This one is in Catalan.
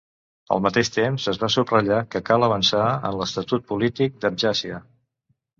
Al mateix temps, es va subratllar que cal avançar en l'estatus polític d'Abkhàzia.